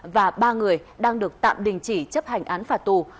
và ba người đang được tạm đình chỉ chấp hành án phạt tù